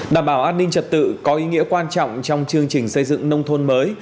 đảm bảo an ninh trật tự có ý nghĩa quan trọng trong chương trình xây dựng nông thôn mới